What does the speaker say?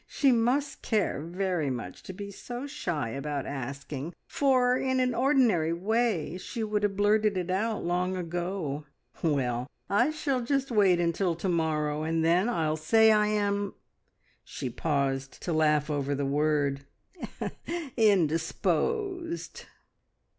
She must care very much to be so shy about asking, for in an ordinary way she would have blurted it out long ago. Well, I shall just wait until to morrow, and then I'll say I am " she paused to laugh over the word "indisposed!"